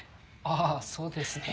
あぁそうですね。